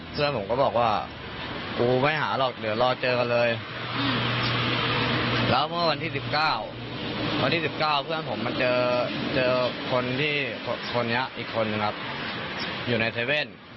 เพื่อนผมเจออีกคนอยู่ในเซเว่น